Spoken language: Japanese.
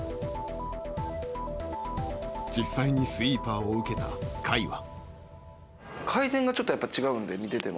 実際にスイーパーを受けた甲斐は。